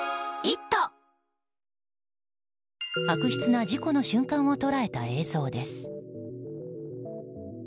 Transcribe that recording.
悪質な事故の瞬間を捉えた映像です。